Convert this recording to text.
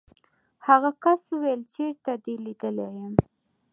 هغه کس وویل چېرته دې لیدلی یم.